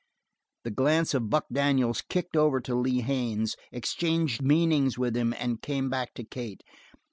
The glance of Buck Daniels kicked over to Lee Haines, exchanged meanings with him, and came back to Kate.